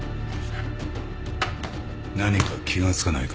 何か気が付かないか？